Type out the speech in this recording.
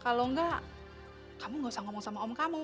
kalau enggak kamu gak usah ngomong sama om kamu